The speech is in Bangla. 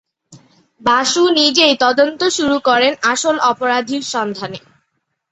বাসু নিজেই তদন্ত শুরু করেন আসল অপরাধীর সন্ধানে।